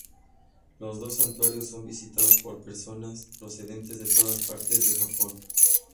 Los dos santuarios son visitados por personas procedentes de todas partes de Japón.